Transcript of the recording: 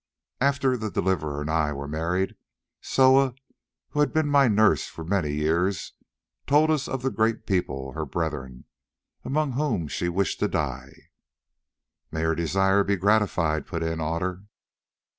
"After the Deliverer and I were married, Soa, who had been my nurse for many years, told us of the Great People her brethren, among whom she wished to die." "May her desire be gratified!" put in Otter.